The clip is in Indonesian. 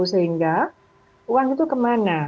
sehingga uang itu kemana